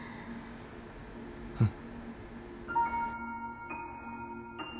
うん。